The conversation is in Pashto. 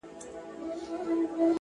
هم عقل وينم! هم هوا وينم! هم ساه وينم!